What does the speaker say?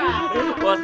buat idan hebat